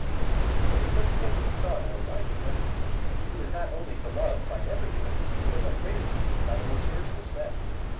But the principles of his son are widely different; who is not only beloved by every one, but in the greatest degree by the most virtuous men.